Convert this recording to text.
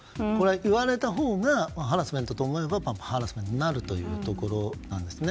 言われたほうがハラスメントと思えばパワーハラスメントになるということなんですね。